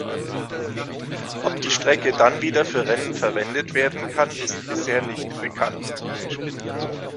Ob die Strecke dann wieder für Rennen verwendet werden kann ist bisher nicht bekannt.